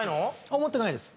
思ってないです。